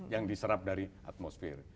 yang diserap dari atmosfer